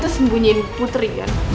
tante sembunyiin putri